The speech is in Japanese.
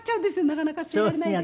なかなか捨てられないでね。